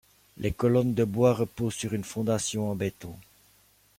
Les colonnes de bois reposent sur une fondation en béton.